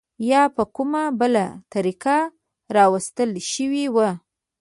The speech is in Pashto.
یا په کومه بله طریقه راوستل شوي وو.